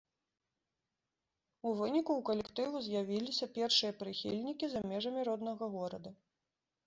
У выніку у калектыву з'явіліся першыя прыхільнікі за межамі роднага горада.